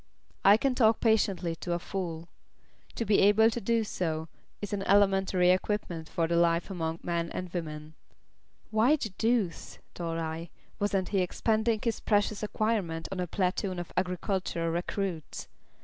"I can talk patiently to a fool to be able to do so is an elementary equipment for a life among men and women " Why the deuce, thought I, wasn't he expending this precious acquirement on a platoon of agricultural recruits?